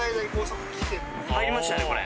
入りましたねこれ。